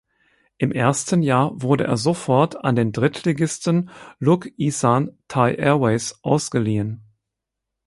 Im ersten Jahr wurde er sofort an den Drittligisten Look Isan Thai Airways ausgeliehen.